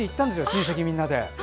親戚みんなで。